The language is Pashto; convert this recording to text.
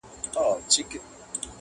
• چي یې وکتل په غشي کي شهپر وو -